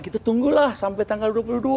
kita tunggulah sampai tanggal dua puluh dua